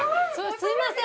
すいません